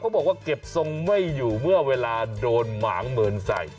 บอกว่าเก็บทรงไม่อยู่เมื่อเวลาโดนหมางเมินใส่